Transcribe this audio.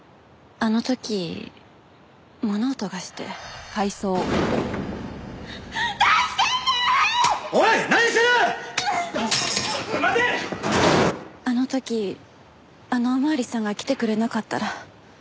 あの時あのお巡りさんが来てくれなかったら。